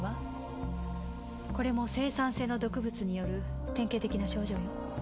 これも青酸性の毒物による典型的な症状よ。